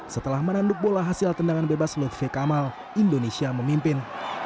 setelah menanduk bola hasil tendangan bebas lutfi kamal indonesia memimpin